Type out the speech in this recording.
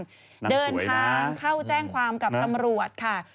นั่นสวยมากเดินทางเข้าแจ้งความกับตรำรวจค่ะ